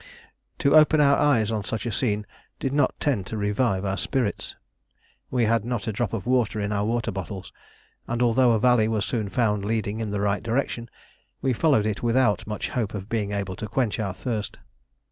To open our eyes on such a scene did not tend to revive our spirits. We had not a drop of water in our water bottles, and although a valley was soon found leading in the right direction, we followed it without much hope of being able to quench our thirst.